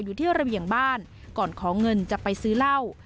อยู่ที่ระเบียงบ้านก่อนขอเงินจะไปซื้อเหล้า